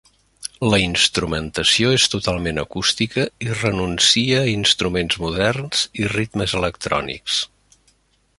La instrumentació és totalment acústica i renuncia a instruments moderns i ritmes electrònics.